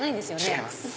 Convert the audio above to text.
違います。